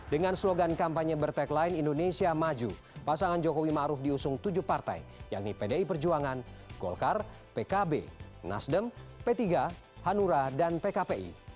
dengan slogan kampanye bertek lain indonesia maju pasangan jokowi ⁇ maruf ⁇ diusung tujuh partai yakni pdi perjuangan golkar pkb nasdem p tiga hanura dan pkpi